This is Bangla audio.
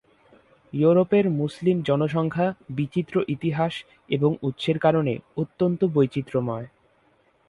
ইউরোপের মুসলিম জনসংখ্যা বিচিত্র ইতিহাস এবং উৎসের কারণে অত্যন্ত বৈচিত্র্যময়।